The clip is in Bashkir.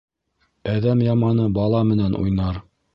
Әҙәм яманы бала менән уйнар.